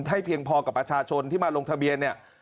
ให้เพียงพอตกประชาชนที่มาลงทะเบียน